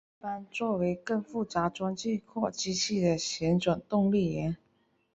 一般作为更复杂装置或机器的旋转动力源。